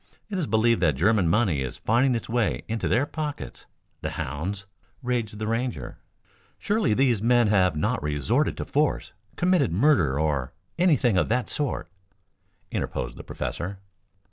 It is believed that German money is finding its way into their pockets. The hounds!" raged the Ranger. "Surely these men have not resorted to force committed murder or anything of that sort?" interposed the professor.